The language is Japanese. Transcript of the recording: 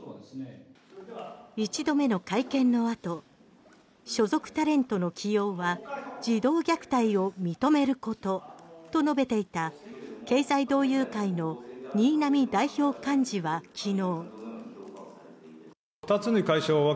１度目の会見の後所属タレントの起用は児童虐待を認めることと述べていた経済同友会の新浪代表幹事は昨日。